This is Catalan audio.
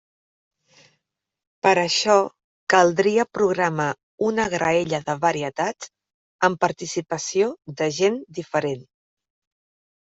Per això caldria programar una graella de varietats amb participació de gent diferent.